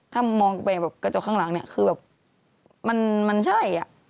ถ้ามองไปกระจกข้างหลังคือแบบมันใช่